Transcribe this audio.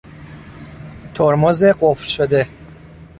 ترمز قفل شده